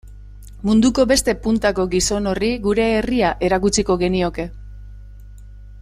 Munduko beste puntako gizon horri gure herria erakutsiko genioke.